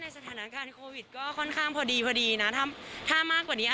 สถานการณ์โควิดก็ค่อนข้างพอดีพอดีนะถ้ามากกว่านี้